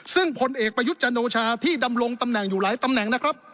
ซึ่งผลเอกประยุทธ์จันโอชาที่ดำรงตำแหน่งอยู่หลายตำแหน่งนะครับ